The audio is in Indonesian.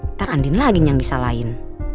ntar andin lagi yang disalahin